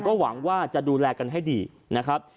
ก็หวังว่าจะดูแลกันให้ดีนะครับ